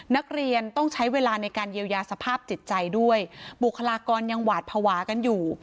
นักเรียนต้องใช้เวลาในการเยียวยาสภาพจิตใจด้วยบุคลากรยังหวาดภาวะกันอยู่